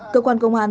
cơ quan công an